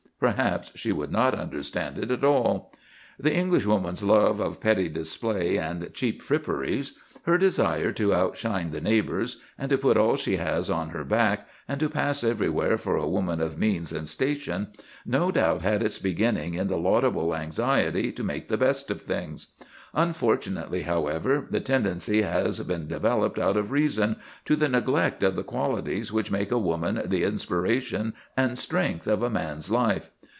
Perhaps she would not understand it at all. The Englishwoman's love of petty display and cheap fripperies, her desire to outshine the neighbours and to put all she has on her back, and to pass everywhere for a woman of means and station, no doubt had its beginning in a laudable anxiety to make the best of things. Unfortunately, however, the tendency has been developed out of reason, to the neglect of the qualities which make a woman the inspiration and strength of a man's life.